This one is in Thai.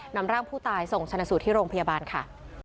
นำร่างผู้ตายส่งชนะสูตรที่โรงพยาบาลค่ะ